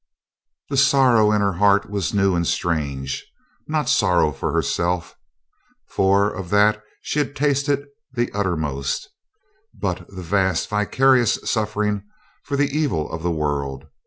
The sorrow in her heart was new and strange; not sorrow for herself, for of that she had tasted the uttermost; but the vast vicarious suffering for the evil of the world.